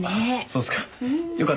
そうっすか？